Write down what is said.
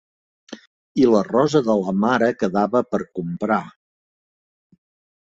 I la rosa de la mare quedava per comprar.